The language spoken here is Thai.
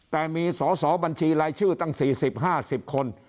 แต่มีสอสอบัญชีรายชื่อตั้ง๔๐๕๐คน